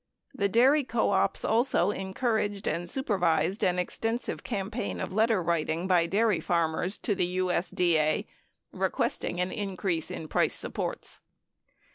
The dairy co ops also encouraged and supervised an extensive campaign of letterwriting by dairy farmers to the USD A requesting an increase in price supports.